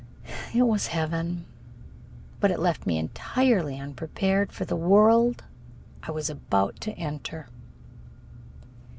It was heaven; but it left me entirely unprepared for the world I was about to enter.